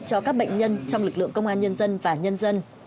cho các bệnh nhân trong lực lượng công an nhân dân và nhân dân